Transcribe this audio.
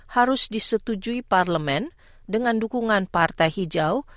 harus disetujui parlemen dengan dukungan partai hijau